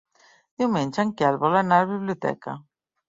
Diumenge en Quel vol anar a la biblioteca.